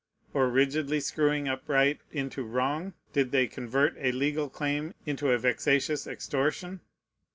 Or, rigidly screwing up right into wrong, did they convert a legal claim into a vexatious extortion?